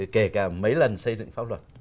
kể cả mấy lần xây dựng pháp luật